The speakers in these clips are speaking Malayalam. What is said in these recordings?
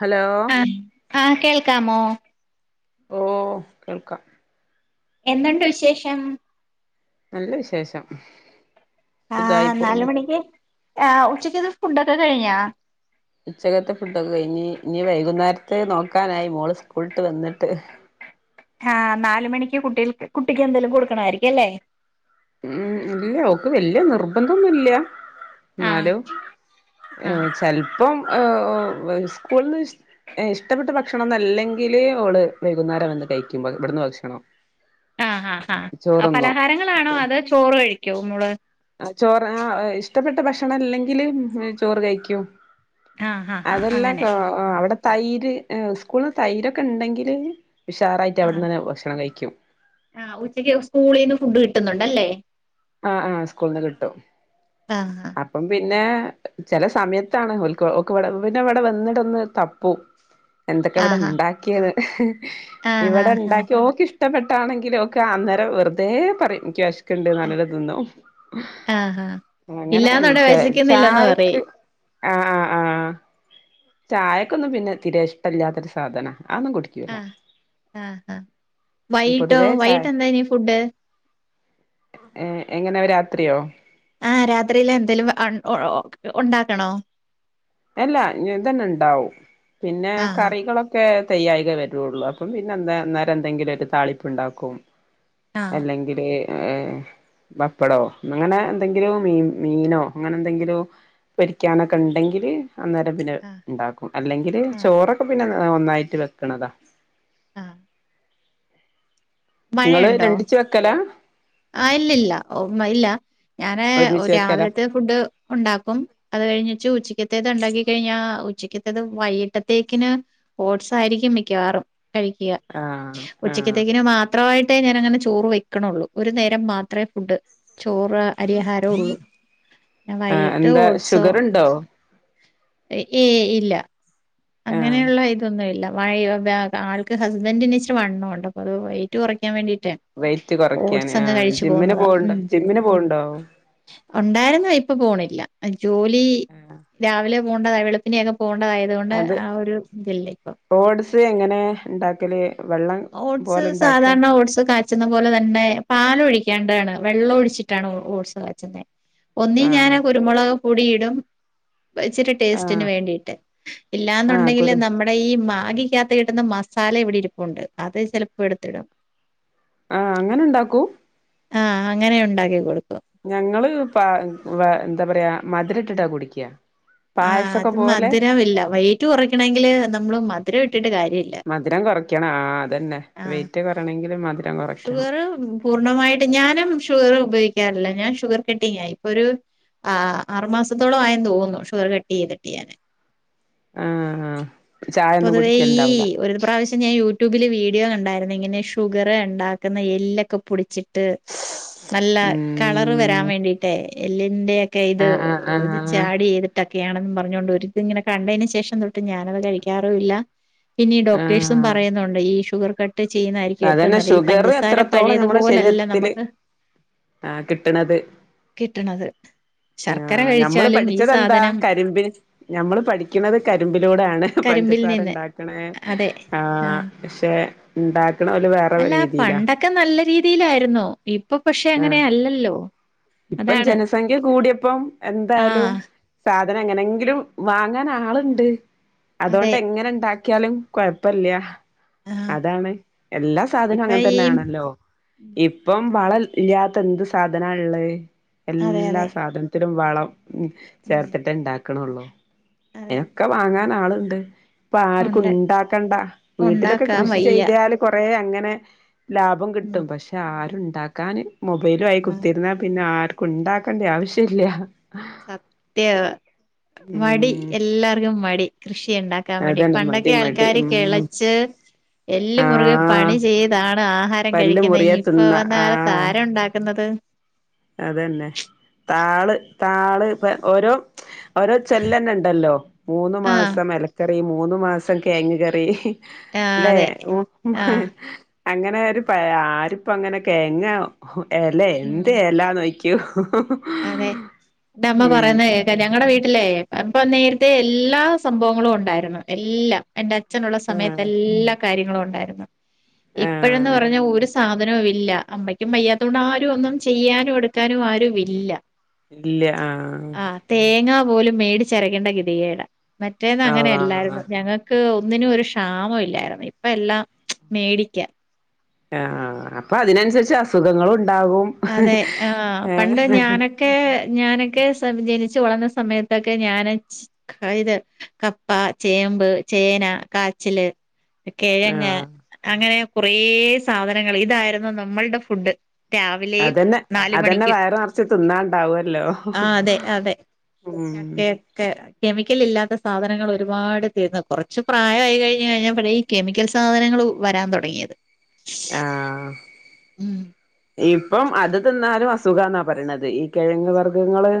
ഹലോ ആഹ് കേൾക്കാമോ? ഓ കേൾക്കാം എന്തുണ്ട് വിശേഷം ന്നല്ല വിശേഷം സുഖായി ആഹ് നാല് പോവുന്നു മണിക്ക് ആഹ് ഉച്ചക്കൽത്തെ ഫുഡൊക്കെ കഴിഞ്ഞാ ഉച്ചക്കത്തെ ഫുഡൊക്കെ കയിഞ്ഞ് ഇനി വൈകുന്നേരത്തെ നോക്കാനായി മോള് സ്കൂൾ വിട്ട് വന്നിട്ട് ആഹ് നാലുമണിക്ക് കുട്ടികൾക്ക് കുട്ടിക്ക് എന്തേലും കൊടുക്കണായിരിക്കും അല്ലേ ഉം ഇല്ല ഓൾക്ക് വല്യ നിർബന്ധന്നുല്ല ആ എന്നാലും എ ആ ചെലപ്പം ഏ ഓ വെ സ്കൂൾന്ന് സ്- ഇഷ്ടപ്പെട്ട ഭക്ഷണം ഒന്നല്ലെങ്കില് ഓള് വൈകുന്നേ രം വന്ന് കഴിക്കും ഇവടന്ന് ഭക്ഷണം. ആ ഹാ ഹാ ചോറ്ന്നും പലഹാരങ്ങളാണോ അതൊ ചോറ് കഴിക്കോ മോള് അ ചോറ് ആ ഇഷ്ടപ്പെട്ട ഭക്ഷണം അല്ലെങ്കില് ചോറ് കഴിക്കും ആ ആ ആ അതെല്ല അങ്ങനെ ട്ടൊ ഓ അവിടെ തൈര് സ്കൂളില് തൈരൊക്കെ ഉണ്ടെങ്കില് ഉഷാറായിട്ട് ആ അവിടുന്നെന്നെ ഭക്ഷണം കഴിക്കും. ആ ഉച്ചയ്ക്ക് സ്കൂളീന്ന് ഫുഡ് കിട്ടുന്നുണ്ടല്ലെ. ആ ആ സ്കൂള്ന്ന് കിട്ടും. ആഹ്. അപ്പം പിന്നെ ചെല സമയത്താണ് ഓൽക്ക് പിന്നെ ഇവിടെ വന്നിട്ടൊന്ന് തപ്പും. [inaudible] എന്തൊക്കെ ഇവിടെ ആ ഇണ്ടാക്കിയത്. ആ ഇവിടെ ആ ഇണ്ടാക്കി ഓക്കിഷ് ഇഷ്ടപ്പെട്ടാണെങ്കിലും ഓക്ക് അന്നേരം വെറുതെ പറയും. എനിക്ക് വെശക്ക്ണ്ട് നറ്ഞ്ഞ്ട്ട് തിന്നും. ആ ആ അങ്ങനെ ഇല്ലാന്നൊടെ ച വിശക്കുന്നില്ലന്ന് ചായക്ക്. പറയും ആ ആ ആ. ചായക്കൊന്നും പിന്നെ തിരേ ഇഷ്ടല്ലാത്തൊരു സാധന. ആ ഒന്നും കുടിക്ക ആ, ആ. ആ. വൈകിട്ടോ പൊതുവേ ചായ വൈകിട്ട് എന്താ ഇഞ്ഞ് ഫുഡ്. ഏ. എങ്ങനാവു രാത്രിയോ ആ രാത്രിയില് എന്തേലും ഉണ്ടാക്കണോ. അല്ല. ഇഞ് ഇതന്നെ ഇണ്ടാവും. പിന്നെ ആഹ് കറികളൊക്കെ ഒക്കെ തെയ്യായിക വരൊള്ളൂ. അപ്പം പിന്നെ എന്താ അന്നേരം എന്തെങ്കിലും ഒരു താളിപ്പ് ഇണ്ടാക്കും. ആഹ് അല്ലെങ്കില് ഏഹ്. പപ്പടോ. അങ്ങനെ എന്തെങ്കിലു മീ മീനോ. അങ്ങനെ എന്തെങ്കിലും. പൊരിയ്ക്കാനൊക്കെ ഇണ്ടെങ്കില്. അന്നേരം പിന്നെ ആഹ് ഉണ്ടാക്കും. അല്ലെങ്കില് ആഹ് ചോറൊക്കെ പിന്നെ ഒന്നായിട്ട് വെക്ക്ണതാ. ആഹ് ആഹ് ഇങ്ങള് രണ്ടിച്ച് വെയ്ക്കലാ. ആ ഇല്ലില്ല. ഇല്ല ഞാന് ഒരുമിച്ച് വെക്കലാ രാവിലത്തെ ഫുഡ് ഉണ്ടാക്കും. അത് കഴിഞ്ഞ്ച്ച് ഉച്ചയ്ക്കത്തേത് ഉണ്ടാക്കി കഴിഞ്ഞാ ഉച്ചക്കത്തത് വൈകിട്ടത്തേക്കിന് ഓട്സ് ആയിരിക്കും മിക്കവാറും കഴിക്ക. ആഹ് ആഹ് ഉച്ചക്കത്തേക്കിന് മാത്രവായിട്ടേ ഞാനങ്ങനെ ചോറ് വെക്ക്ണൊള്ളൂ. ഒരു നേരം മാത്രേ ഫുഡ്. ചോറ്. അരി ആഹാരം ഒള്ളു. പിന്നെ ആഹ് വൈകിട്ട് എന്താ ഓട്സോ. ഷുഗറുണ്ടോ ഏയ് ഇല്ല. അങ്ങനെ ആഹ് ഇള്ള ഇതൊന്നു ഇല്ല. വയ് ആൾക്ക് ഹസ്ബന്റ്ന് ഇച്ചിരി വണ്ണവുണ്ട്. അപ്പോ അത് വെയിറ്റ് കൊറയ്ക്കാൻ വേണ്ടിയിട്ടാണ്. വെയിറ്റ് കൊറയ്ക്കാന്. ആ ജിമ്മിന് പോകുണ്ടൊ, ഉം ജിമ്മിന് പോവ്ണ്ടോ. ഉണ്ടായിരുന്നു. ഇപ്പം പോണില്ല. ജോലി രാവിലെ പോകണ്ടതാ വെളുപ്പിനേതോ പോണ്ടതായതുകൊണ്ട് അത് ആ ഒരു ഇത് ഇല്യെ ഇപ്പം. ഓട്സ് എങ്ങനെ ഇണ്ടാക്കല്. വെള്ളം ഓട്സ് പോലെ ഇണ്ടാക്ക സാധാരണ ഓട്സ് കാ [inaudible] പോലെ തന്നെ പാല് ഒഴിക്കാണ്ടാണ്. വെള്ളം ഒഴിച്ചിട്ടാണ് ഓട്സ് കാച്ചുന്നെ. ഒന്നിൽ ഞാൻ ആഹ് കുരുമുളക് പൊടിയിടും. ഇച്ചിരി ടേസ്റ്റിന് ആഹ് വേണ്ടീട്ട്. ആഹ് ഇല്ലാന്നുണ്ടെങ്കില് കുരു നമ്മൾ നമ്മടെ ഈ മാഗിക്കാത്ത് ഇട്ടുന്ന മസാല ഇവിടെ ഇരിപ്പുണ്ട്. അത് ചെലപ്പ ഇടുത്തിടും. ആ അങ്ങനെ ഇണ്ടാക്കും. ആ അങ്ങനെ ഉണ്ടാക്കി കൊടുക്കും. ഞങ്ങള് ഇപ്പ എന്താ പറയാ മധുര ഇട്ടിട്ടാ കുടിക്ക. ആ പായസൊക്കെ അത് പോലെ മധുരം ഇല്ല. വെയിറ്റ് കൊറയ്ക്കണെങ്കില് നമ്മള് മധുരം ഇട്ടിട്ട് കാര്യ ഇല്ല. മധുരം കൊറയ്ക്കണം. ആ അതന്നെ വെയിറ്റ് കൊറ്യണെങ്കില് മധുരം കൊറയ് ഷുഗർ പൂർണ്ണമായിട്ട് ഞാനും ഷുഗർ ഉപയോഗിക്കാറില്ല. ഞാൻ ഷുഗർ കെട്ടിങ് ആയി. ഇപ്പൊ ഒരു ആ ആറുമാസത്തോളം ആയെന്ന് തോന്നുന്നു. ഷുഗർ കട്ട് ചെയ്തിട്ട് ഞാന്. ആഹ് ചായ ഒന്നും പൊതുവെ ഈ കുടിക്കലുണ്ടാവൂല ഒരു പ്രാവശ്യ ശ്യം ഞാൻ യൂട്യൂബില് വീഡിയോ കണ്ടായിര്ന്നെ ഇങ്ങനെ ഷുഗറ് ഇണ്ടാക്ക്ന്നെ എല്ലൊക്കെ പൊടിച്ചി ട്ട് നല്ല കളറ് വരാൻ ഉം വേണ്ടിട്ടേ എല്ലിന്റെയെ ക്കെ ഇത് ആഹ് ആഹ് ആഹ് ഇത്‌ച്ചാഡ് ചെയ്ത് ട്ടൊക്കെയാണെന്നും പറഞ്ഞോണ്ട് ഒര്ത് ഇങ്ങനെ കണ്ടേന് ശേഷം തൊട്ട് ഞാനത് കഴിക്കാറുവില്ല പിന്നെഈ ഡോക്ടേഴ്സും ആഹ് പറയുന്നുണ്ട് ഈ ഷുഗർ കട്ട് ചെയ്യുന്നതായിരിക്കും. ഏ തന്നെ ഷുഗറ് എത്രത്തോളം നമ്മുടെ ശരീരത്തില് നമുക്ക് ആഹ് കിട്ട്ണത് കിട്ട്ണത് ആഹ് ഞമ്മള് പഠിച്ചത് എന്താ കരിമ്പിൽ ഞമ്മള് പഠിക്ക്യ്ണത് കരിമ്പ് ലൂടെ ആണ് കരിമ്പിൽ പഞ്ചസാര നിന്ന് ഇണ്ടാക്ക്ണേ അതെ ആഹ് പക്ഷെ ഇണ്ടാക്ക്ണോല് വേറെ രീതിയിലാ ക്കെ നല്ല രീതിയിലായിരുന്നു ഇപ്പൊ പക്ഷെ ആ അങ്ങനെ അല്ലല്ലോ ഇപ്പം അതാണ് ജനസംഖ്യ കൂടിയപ്പം എന്തായാലും ആഹ് സാധനം എങ്ങനെങ്കിലും വാങ്ങാൻ ആള്ണ്ട് അതെ അതോണ്ട് എങ്ങനെ ഇണ്ടാ ക്ക്യാലും കൊഴപ്പല്ല്യ ആഹ് അതാണ് എല്ലാ സാധനവും ഇപ്പൊ ഈ അങ്ങൻതന്നെ ആണല്ലോ ഇപ്പം വളം ഇല്ല്യാത്ത എന്ത് സാധന ഇള്ളത് അതെ എല്ലാ അതെ സാധന ത്തിലും വളം ഉം ഉം ചേർത്തിട്ടേ ഇണ്ടാക്ക്ണൊള്ളൂ അതെ പിന്നെ ഒക്കെ വാങ്ങാൻ ആള്ണ്ട് ഇപ്പ ആർക്കും ഉണ്ട് ഉണ്ടാക്കണ്ട വീട്ടിലൊക്കെ ഉണ്ടാക്കാൻ കൃഷി വയ്യ ചെയ്താല് കൊറേ അങ്ങനെ ലാഭം ഉം കിട്ടും പക്ഷെ ആരു ഇണ്ടാക്കാന് മൊബൈലു ആയി ആഹ് കുത്തിര്ന്നാ പിന്നെ ആർക്കും ഇണ്ടാക്കണ്ട്യെ ആവശ്യംല്ല്യാ സത്യാണ് മടി ഉം എല്ലാർക്കും മടി കൃഷി ഇണ്ടാ ക്കൻ മടി അതന്നെ പണ്ടൊക്കെ മടി ആൾക്കാര് ഉം കെളച്ച് എല്ല് മുറ്കെ ആഹ് പണി ചെയ്താണ് ആഹാ രം പല്ല് കഴിക്ക്യുന്നെ മുറിയ ഈ ഇപ്പ തിന്ന വന്ന കാലത്ത് ആരാ ഉണ്ടാക്കുന്നത് അത് തന്നെ താള് താള് ഇപെ ഓരോ ഓരോ ചൊല്ലെന്നെ ഇണ്ടല്ലോ മൂന്ന് ആഹ് മാസം ഇലക്കറി മൂന്ന മാസം കിഴങ്ങ് കറി ആഹ് ല്ലേ അതെ ഉം ആഹ് [unintelligible] അങ്ങനെ ഒരു പഴ ആര്പ്പൊ അങ്ങനെ കെഴങ്ങ് എലെ എന്ത് ഉം ആന്നോയ്ക്ക്യും അതെ ന്റെ അമ്മ പറയുന്നത് കേക്കം എന്റെ അ ഞങ്ങളടെ വീട്ടിലേ അപ്പൊ നേരത്തെ എല്ലാ സംഭവങ്ങളും ഉണ്ടായിരുന്ന് എല്ലാം എന്റെ അച്ഛനുള്ള സമയത്ത് ആഹ് എല്ലാ കാര്യങ്ങളും ഉണ്ടായിരുന്നു ഇപ്പഴെന്ന് ആഹ് പറഞ്ഞാ ഒര് സ സാധനവും ഇല്ല അമ്മയ്ക്കും വയ്യാതോണ്ട് ആരും ഒന്നും ചെയ്യാനും എടുക്കാനും ആരുവില്ല ഇല്ല്യാ ആഹ് ആഹ് തേങ്ങാ പോലും മേടിച്ച് അരക്കേണ്ട ഗതികേടാ മറ്റേത് ആഹ് അങ്ങനെയല്ലായ്ര്ന്നു ഞങ്ങ ക്ക് ഒന്നിനും ഒരു ക്ഷാമം ഇല്ലായിര്ന്ന് ഇപ്പ എല്ലാം മേടിക്ക്യ അഹ് ആഹ് അപ്പ അതിനൻസര്ച്ച് അസുഖങ്ങളും ഉണ്ടാകും അതെ ആഹ് ആഹ് പണ്ട് ഏഹ് ഞാനൊ ക്കെ ഞാനൊക്കെ സ ജനിച്ചു വളർന്ന സമയത്തൊക്കെ ഞാന് ക്ക ഇത് കപ്പ, ചേമ്പ്, ചേന, കാച്ചില് കെഴങ്ങ് ആഹ് അങ്ങനെ കുറേ സാധനങ്ങള് ഇതായിരുന്നു നമ്മൾടെ ഫുഡ് ട്ടെയാന്ന് അതെന്നെ അതെന്നെ വയറ് നെറച്ച് തിന്നാൻ ഇണ്ടാവൊല്ലോ ഉം ക്കെ കെമിക്കൽ ഇല്ലാത്ത സാധനങ്ങള് ഒരുപാട് തിന്ന് കൊറച്ചു പ്രായായി കഴിഞ്ഞ് കഴിഞ്ഞപ്പഴേയ് കെമിക്കൽ സാധനങ്ങൾ വരാൻ തുടങ്ങിയത് ആഹ് ഉം ഇപ്പം അത് തിന്നാലും അസുഖാന്നാ പറയണത് ഈ കിഴങ്ങ് വർഗങ്ങള്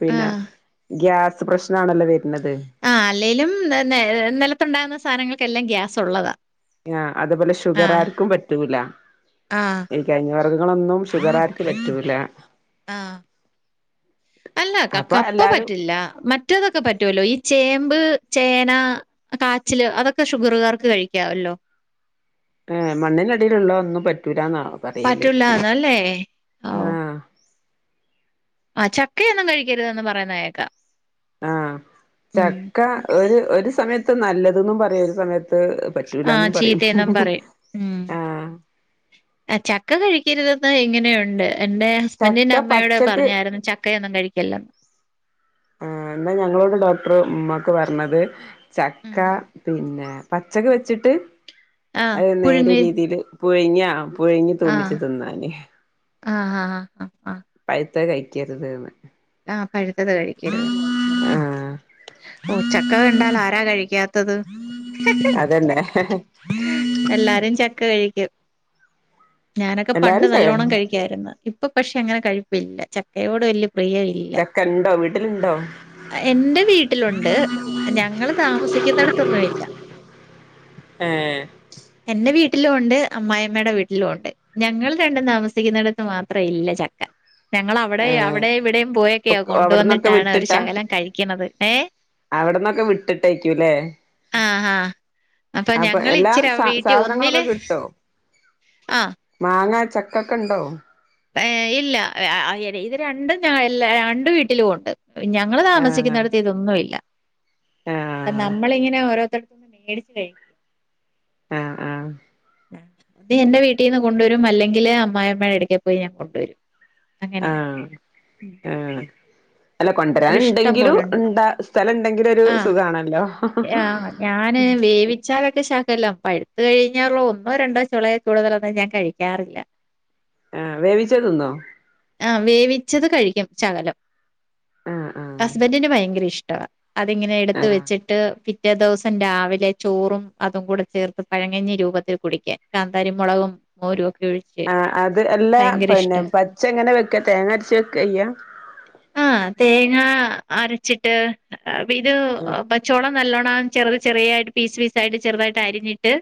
പിന്നെ ആഹ് ഗ്യാസ് പ്രശനം ആണല്ലോ വരുന്നത് ആഹ് അല്ലേലും നിലത്തുണ്ടാകുന്ന സാധനങ്ങൾക്കെല്ലാം ഗ്യാസ് ഉള്ളതാ ആഹ് അതുപോലെ ആഹ് ഷുഗറാർക്കും പറ്റൂല ആഹ് കെഴങ് വർഗങ്ങളൊന്നും ഷുഖറാര്ക് പറ്റുല്ല ആഹ് അല്ല അപ്പൊ കപ്പ എല്ലാരും പറ്റില്ല മ റ്റതൊക്കെ പറ്റുവല്ലോ ഈ ചേമ്പ് ചേന കാച്ചില് അതൊക്കെ ഷുഗറുകാർക്ക് കഴിക്കാവല്ലോ ഏഹ് മണ്ണിനടിയിലുള്ള ഒന്നും പറ്റൂലാന്നാ പറയല് പറ്റൂല്ലാന്നല്ലേ ആഹ് ആഹ് ചക്കയൊന്നും കഴിക്കരുതന്ന് പറയുന്നേക്കാം ആഹ് ചക്ക ഒരു ഒരു സമയത്ത് നല്ലതുന്നും പറയാ ഒരു സമയത്ത് ആഹ് പറ്റൂലാന്നും പറയും ചീത്തയെന്നും പറയും ഉം ആഹ് ആഹ് ചക്ക കഴിക്കരുതെന്ന് ഇങ്ങനെയുണ്ട് എന്റെറ ചക്ക സ്ബന്റിന്റെ അമ്മയോട് പച്ചക്ക് പറഞ്ഞായിരുന്നു ചക്കയൊന്നും കഴിക്കില്ലെന്ന് ആഹ് എന്നാ ഞങ്ങളോട് ഡോക്ടർ ഉമ്മാക്ക് പറഞ്ഞത് ഉം. ചക്ക പിന്നെ പച്ചക്കെ വെച്ചിട്ട് ആഹ് അഹ് ര് നേരെ പുഴുങ്ങി രീതിയിയില് പുഴുങ്യാ പുഴുങ്ങി തൂമിച്ചു ആഹ് തിന്നാന് ആഹ് ആഹ് ആഹ് ആഹ് പഴുത്തെ കഴിക്കരുതെന്ന് ആഹ് പഴുത്തത് കഴിക്കരുത് ആഹ് ഓഹ് ച്ചക്ക കണ്ടാൽ ആരാ കഴിക്കാത്തത് തന്നെ എല്ലാരും ചക്ക കഴിക്കും ഞാനൊക്കെ പണ്ട് എല്ലാരും നല്ലോണം കഴി ക്കാര്ന്ന് ഇപ്പൊ പക്ഷെ അങ്ങനെ കഴിപ്പില്ല ചക്കയോട് വല്ല്യ പ്രിയ ചെക്കണ്ടോ വീട്ടില് അ എന്റെ വീട്ടിലുണ്ട് ഞങ്ങൾ താമസിക്കുന്നടത്തൊന്നു ഇല്ല ഏഹ് എന്റെ വീട്ടിലും ഉണ്ട് അമ്മായിമ്മയുടെ വീട്ടിലും ഉണ്ട് ഞങ്ങൾ രണ്ടും താമസിക്കുന്നിടത്ത് മാത്രം ഇല്ല ചക്ക ഞങ്ങള് അവിടെ ഏഹ് അവിടെയും ഇവിടെയും പോയൊക്കെയോ അവിടന്നൊക്കെ കൊണ്ടുവന്നിട്ടാണ് ഒരു ശകലം കഴിക്കുന്നത് ഏഹ് അവിട്ന്നൊക്കെ വിട്ടിട്ടേക്കൂല്ലേ ആഹ് ആഹ് അപ്പൊ ഞങ്ങൾ എല്ലാ ഇച്ചിരി ആ സാ വീട്ടിൽ ഒന്നില് സാധനങ്ങളൊക്കെ കിട്ടോ ആഹ് മാങ്ങാ ചക്കൊക്കെണ്ടോ ഏഹ് ഇല്ല ഇത് രണ്ടും ഞല്ല രണ്ട് വീട്ടിലും ഉണ്ട് ഞങ്ങള് ആഹ് താമസിക്കുന്നിടത്ത് ഇതൊന്നുല്ല അ ആഹ് നമ്മളിങ്ങനെ ഓരോരുത്തർ മേടിച് കയ് ആഹ് ആഹ് ത് എന്റെ വീട്ടീന്ന് കൊണ്ട്വരും അല്ലെങ്കില് അമ്മായിയമ്മ ഇടയ്ക്ക പോയി ഞാൻ കൊണ്ടുവരും അങ്ങനെയാണ് ആഹ് ഉം. ആഹ് അല്ല കൊണ്ടരാൻ അവിടെ ഇഷ്ടം ണ്ടെങ്കിലും പോലുണ്ട് എന്താ സ്ഥലണ്ടെങ്കിലും ഒരു സുഖാണല്ലോ എഹ് ആഹ് ഞാന് വേവിച്ചാലൊക്കെ ശഖല്ലാം പഴുത് കഴിഞ്ഞാള്ളോ ഒന്നോ രണ്ടോ ചൊളേ കൂടുതലൊന്നും ഞാൻ കഴിക്കാറില്ല ആഹ് വേവിച്ചഹ് തിന്നോ ആഹ് വേവിച്ചത് കഴിക്കും ചകലം ആഹ് ആഹ് ഹസ്ബന്റിന് ഭയങ്കര ഇഷ്ടാ അതിങ്ങനെ എടുത്ത് ആഹ് വെച്ചിട്ട് പി റ്റേ ദിവസം രാവിലെ ചോറും അതും കൂടെ ചേർത്ത് പഴങ്ങഞ്ഞി രൂപത്തിൽ കുടിക്കാൻ കാന്താരിമൊളകും മൊരുഒക്കെ ഒഴിച്ച് ആഹ് അത് എല്ലാ ഭയങ്കര പന്നെ ഇഷ്ടാ. പച്ച എങ്ങനെ വെക്ക് തേങ്ങര്ച്ച്ക്കായ്യാ? ആഹ് തേങ്ങ അരച്ചിട്ട് ഇത് ആഹ് പ ചോളം നല്ലോണം ചെറുത് ചെറീയായിട്ട് പീസ് പീസായിട്ട് ചെറ്തായിട്ട് അരിഞ്ഞിട്ട്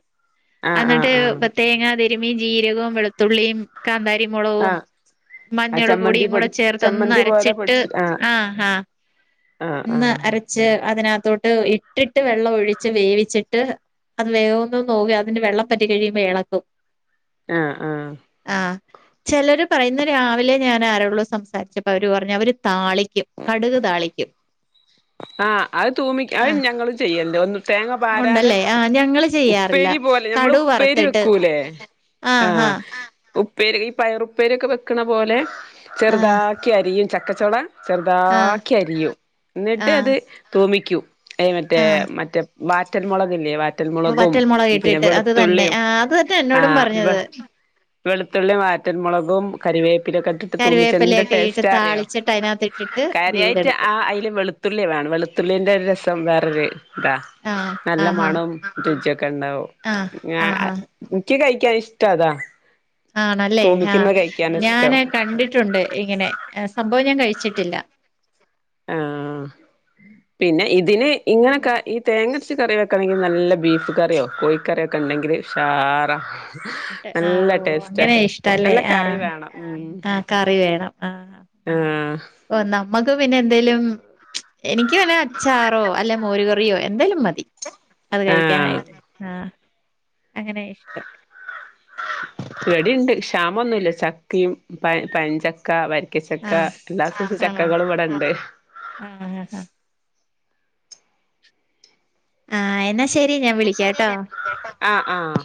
ആഹ് ആഹ് അന്ന്ട്ട് ആഹ് പ്പ തേങ്ങ തിരുമ്മി ജീരകം വെളുത്തുള്ളിം കാന്താരിമൊളകും ആഹ് ആഹ് ചമ്മന്തി മഞ്ഞള്പൊടിയുംകൂടെ പൊടി ചേർത്തോന്ന് ചമ്മന്തി പോലെ അരച്ചിട്ട് പൊടിച്ച് ആഹ് ആഹ്. ആഹ് ഒന്ന് ആഹ് അരച്ച് അതിനകത്തോട്ട് ഇട്ടിട്ട് വെള്ളം ഒഴിച്ച് വേവിച്ചിട്ട് അത് വേവൊന്ന് നോക്കി അതിന്റെ വെള്ളം വറ്റികഴിയുമ്പോ യളക്കും. ആഹ് ആഹ്. ചെലര് പറയുന്ന രാവിലെ ഞാൻ ആരോള്ള സംസാര്ച്ചപ്പോ അവര് പർഞ് അവര് താളിക്കും കടുക് താളിക്കും. ആഹ് അത് തൂമി അത് ആഹ് ഞങ്ങളും ചെയ്യൽണ്ട് ഒന്ന് തേങ്ങ പാരാതെ ഉണ്ടല്ലേ ആഹ് ഞങ്ങള് ചെയ്യാറില്ല ഉപ്പേരിപോലെ ഞമ്മള് കടുക് ഉപ്പേരി വറുത്തിട്ട് വെക്കൂലേ. ആഹ് ഉപ്പേരി ഈ പയറുപ്പേരിക്ക വെക്ക്ണ പോലെ ചെറ്താ ആഹ് ക്കിഅരിയും ചക്കചോള ആഹ് ചെർതാക്കി അരിയും ന്നിട്ട്അത് ആഹ് തൂമിക്കും. ഏ മറ്റേ ആഹ് മറ്റേ വാറ്റൽമൊളകില്ലേ വാറ്റൽമൊളകും വറ്റൽമുളക് പിന്നെ ഇട്ടിട്ട് അത് തന്നെ വെളുത്തുള്ളിം ആ അത് തന്നെ എന്നോടുംപറഞ്ഞത് വെളുത്തുള്ളി വാറ്റൽമൊളകും കറിവേപ്പിലൊക്ക ഇട്ട്ട്ട് തൂമിച്ച എന്ത്‌ കരുവേപ്പിലയൊക്കെ ഇട്ട് ടേസ്റ്റാ അറിയോ താളിച്ചിട്ട് അതിനകത്ത് ഇട്ടിട്ട് ഇത് കാര്യായിട്ട് ചെയ്തെടുക്കും ആ അയ്ല് വെളു ത്തുള്ളിവേണം വെളുത്തുള്ളിന്റെ ഒരു രസം വേറൊര് താ. ആ നല്ല മണം രുചിക്കണ്ടാവും. ആഹ് ആഹ് ഹാ. ഇൻക്ക് കഴിക്കാനിഇഷ്ടഅതാ. ആണല്ലേ ആഹ് ഇഷ്ടം ഞാനെ കണ്ടിട്ടുണ്ട് ഇങ്ങനെ സംഭവം ഞാൻ കഴിച്ചിട്ടില്ല. ആഹ്. പിന്നെ ഇതിന് ഇങ്ങനെക്ക ഈ തേങ്ങര്ച്ച് കറി വെക്കണങ്കി നല്ല ബീഫ് കറിയോ കോയി കറിയൊക്കണ്ടെങ്കില് ഉഷാറ. ട്ട് ആ ഓ നല്ലടേസ്റ്റാ അങ്ങനെ ഇഷ്ടല്ലേ ആ നല്ലകറിവേണം ഉം. ആ കറി വേണം ആ ആഹ്. ഓ ന്നമ്മക്ക് പിന്നെ എന്തേലും എനിക്ക് വല്ല അച്ചാറോ അല്ലെ മോര്കറിയോ എന്തേലുംമതി അത് ആഹ് കഴിക്കാനായിട്ട്. ആഹ് അങ്ങനെ ഇഷ്ടം. ഇവടിണ്ട് ക്ഷാമംഒന്നുല്ല ചക്കിം പയ പയംഞ്ചക്ക വരി ക്കചക്ക ആ എല്ലാതര ആ ചക്കകളുംവടണ്ട്. ആ ആ ആഹ് എന്നാ ശെരി ഞാൻ വിളിക്കാട്ടോ. ആഹ് ആഹ്.